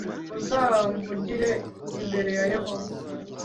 Uzamvugire imbere ya Yehova